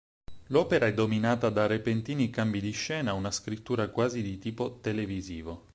L'opera è dominata da repentini cambi di scena, una scrittura quasi di tipo televisivo.